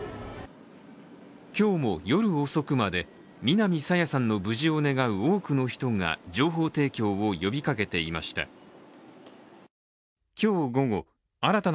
今日も夜遅くまで、南朝芽さんの無事を願う多くの人が情報提供を呼びかけていました。